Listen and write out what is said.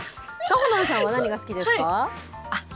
かほなんさんは何が好きですか。